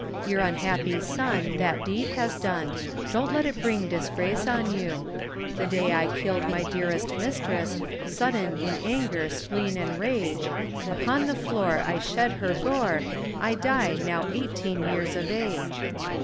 Your unhappy son, that deed has done, Don't let it bring disgrace on you; The day I killed my dearest mistress, Sudden, in anger, spleen, and rage, Upon the floor, I shed her gore, I die now eighteen years of age.